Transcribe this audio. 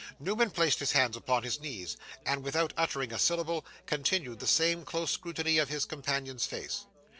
Newman placed his hands upon his knees, and, without uttering a syllable, continued the same close scrutiny of his companion's face.